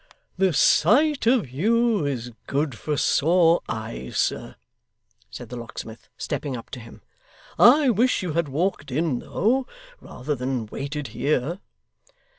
'The sight of you is good for sore eyes, sir,' said the locksmith, stepping up to him. 'I wish you had walked in though, rather than waited here.